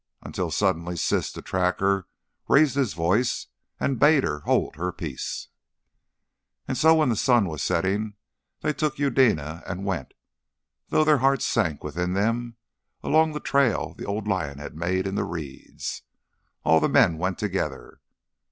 Until suddenly Siss the Tracker raised his voice and bade her hold her peace. And so when the sun was setting they took Eudena and went though their hearts sank within them along the trail the old lion had made in the reeds. All the men went together.